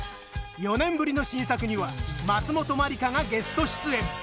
４年ぶりの新作には松本まりかがゲスト出演。